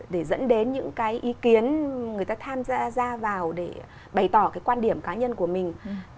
để dẫn đến những ý kiến người ta tham gia vào để bày tỏ quan điểm cá nhân của mình